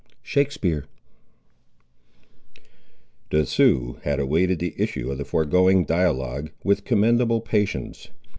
—Shakespeare. The Siouxes had awaited the issue of the foregoing dialogue with commendable patience.